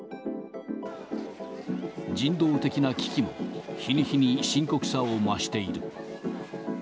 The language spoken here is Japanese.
人道的な危機も日に日に深刻さを増している。